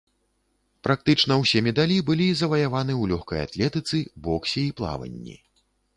Практычна ўсе медалі былі заваяваны ў лёгкай атлетыцы, боксе і плаванні.